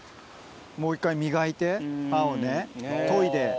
もう１回磨いて刃をね研いで。